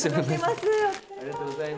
ありがとうございます。